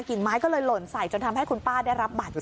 ไม้ก็เลยหล่นใส่จนทำให้คุณป้าได้รับบาดเจ็บ